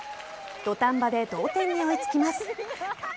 土壇場で同点に追いつきます。